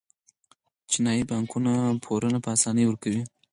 چینايي بانکونه پورونه په اسانۍ ورکوي.